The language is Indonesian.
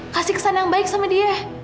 kasih kesan yang baik sama dia